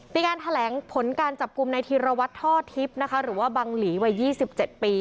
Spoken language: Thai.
มีการแถลงผลการจับกลุ่มในธีรวัตรท่อทิพย์นะคะหรือว่าบังหลีวัย๒๗ปี